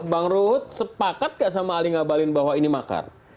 bang ruhut sepakat gak sama ali ngabalin bahwa ini makar